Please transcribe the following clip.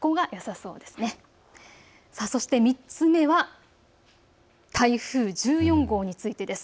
そして３つ目は台風１４号についてです。